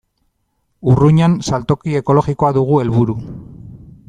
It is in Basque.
Urruñan saltoki ekologikoa dugu helburu.